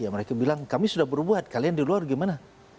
mereka bilang kami sudah berbuat kalian di luar gimana